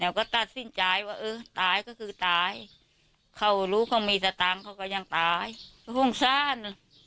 แล้วก็ก็ทันสิ้นใจว่าตายขึ้นหลายเขารู้ของมีเสตมันก็ยังตายผ่องซ่าน